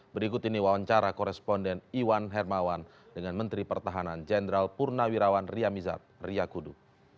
berikut ini wawancara koresponden iwan hermawan dengan menteri pertahanan jenderal purnawirawan riamizat riyakudu